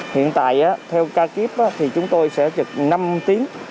hiện tại theo ca kíp thì chúng tôi sẽ trực năm tiếng